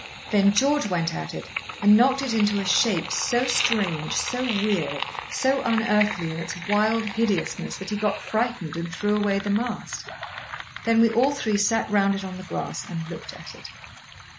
Then George went at it, and knocked it into a shape, so strange, so weird, so unearthly in its wild hideousness, that he got frightened and threw away the mast. Then we all three sat round it on the grass and looked at it.